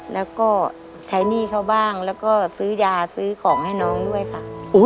แล้วก็ใช้หนี้เขาบ้างแล้วก็ซื้อยาซื้อของให้น้องด้วยค่ะ